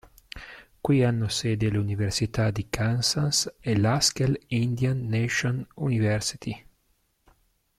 Qui hanno sede l'Università di Kansas e l'Haskell Indian Nations University.